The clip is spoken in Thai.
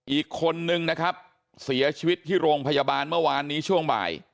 อีกคนนึงนะครับเสียชีวิตที่โรงพยาบาลเมื่อวานนี้ช่วงบ่าย